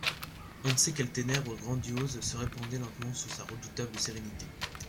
On ne sait quelles ténèbres grandioses se répandaient lentement sur sa redoutable sérénité.